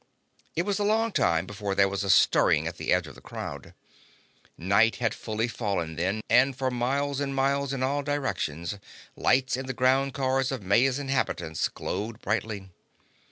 It was a long time before there was a stirring at the edge of the crowd. Night had fully fallen then, and for miles and miles in all directions lights in the ground cars of Maya's inhabitants glowed brightly.